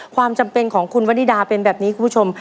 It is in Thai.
ความจำเป็นของคุณวนิดาเป็นแบบนี้คุณผู้ชม